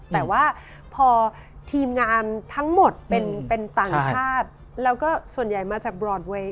แต่ว่าพอทีมงานทั้งหมดเป็นต่างชาติแล้วก็ส่วนใหญ่มาจากบรอดเวย์